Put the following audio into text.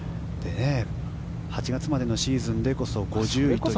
８月までのシーズンでこそ５０位という。